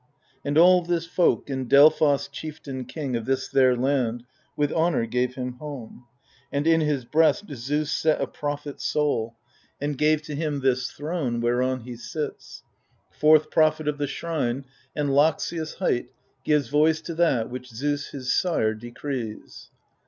And all this folk, and Delphos, chieftain king Of this their land, with honour gave him home ; And in his breast Zeus set a prophet's soul. 138 THE FURIES And gave to him this throne, whereon he sits, Fourth prophet of the shrine, and, Loxias hight, Gives voice to that which Zeus his sire decrees.